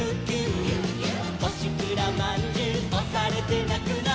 「おしくらまんじゅうおされてなくな」